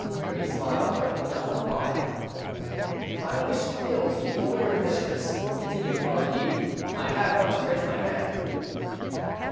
Remy smiled, but did not reply. "If I wished ill to you or your mistress," continued Aurilly. "I have but to raise my hand."